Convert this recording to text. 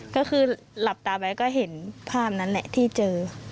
ก็คือหลับตาไปก็เห็นภาพนั้นแหละที่เจอ